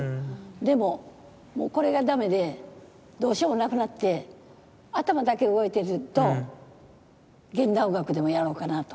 でももうこれが駄目でどうしようもなくなって頭だけ動いてると現代音楽でもやろうかなと。